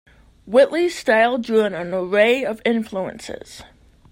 Whitley's style drew on an array of influences.